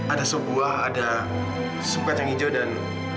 ada sebuah ada sebuah kacang hijau dan